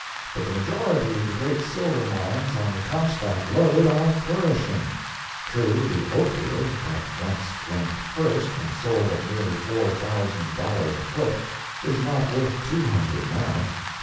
But the majority of the great silver mines on the Comstock lode are flourishing. True, the Ophir, that once ranked first, and sold at nearly four thousand dollars a foot, is not worth two hundred now.